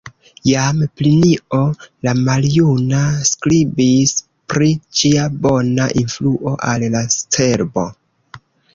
Jam Plinio la Maljuna skribis pri ĝia bona influo al la cerbo.